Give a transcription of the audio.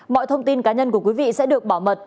mọi thông tin cá nhân của quý vị sẽ được bảo mật